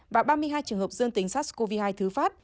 và ba mươi hai trường hợp dương tính sars cov hai thứ phát